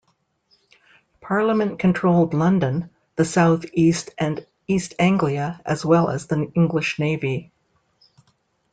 Parliament controlled London, the south-east and East Anglia, as well as the English navy.